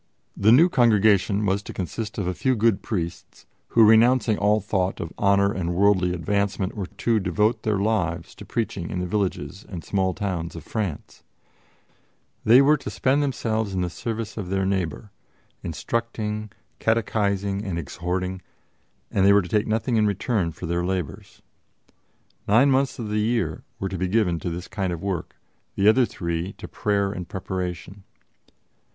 The new Congregation was to consist of a few good priests who, renouncing all thought of honor and worldly advancement, were to devote their lives to preaching in the villages and small towns of France. Their traveling expenses were to be paid from a common fund. They were to spend themselves in the service of their neighbor, instructing, catechizing and exhorting; and they were to take nothing in return for their labors. Nine months of the year were to be given to this kind of work; the other three to prayer and preparation.